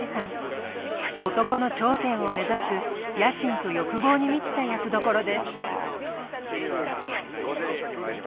男の頂点を目指す野心と欲望に満ちた役どころです。